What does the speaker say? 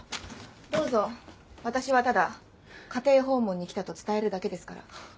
どうぞ私はただ家庭訪問に来たと伝えるだけですから。